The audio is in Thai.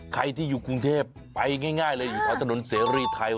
ใครที่อยู่กรุงเทพไปง่ายเลยอยู่แถวถนนเสรีไทย